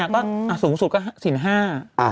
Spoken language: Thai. ก็สูงสุดก็สินห้า